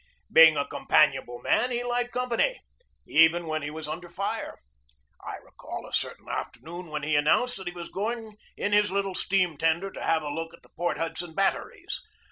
Being a companionable man, he liked company, even when he was under fire. I recall a certain afternoon no GEORGE DEWEY when he announced that he was going in his little steam tender to have a look at the Port Hudson batteries.